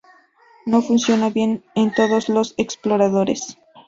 No funciona bien en todos los exploradores.